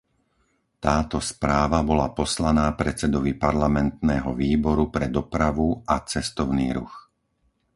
Táto správa bola poslaná predsedovi parlamentného Výboru pre dopravu a cestovný ruch.